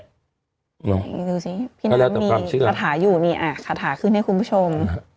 ดูซิที่นั้นมีคาถาอยู่คาถาขึ้นให้คุณผู้ชม